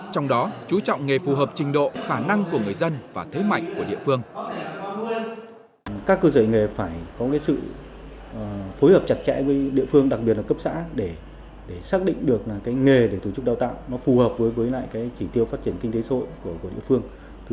trong đó chú trọng nghề phù hợp trình độ khả năng của người dân và thế mạnh của địa phương